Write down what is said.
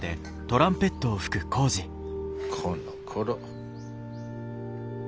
このころ。